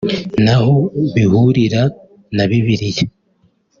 naho bihurira na Bibiliya